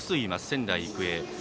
仙台育英。